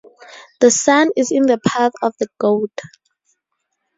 The sun is in the path of the goat.